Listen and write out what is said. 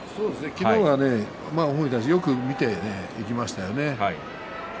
昨日はよく見ていきましたよね。